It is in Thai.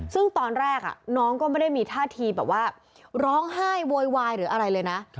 ซึ่งตอนแรกน้องก็ไม่ได้มีท่าทีแบบว่าร้องไห้โวยวายหรืออะไรเลยนะ